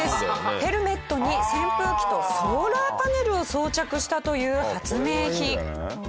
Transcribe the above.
ヘルメットに扇風機とソーラーパネルを装着したという発明品。